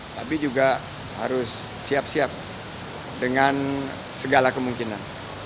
tapi juga harus siap siap dengan segala kemungkinan